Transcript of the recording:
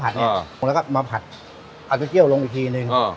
ผัดเนี้ยอ่าแล้วก็มาผัดเอาเจ้าเชี่ยวลงอีกทีหนึ่งอ่า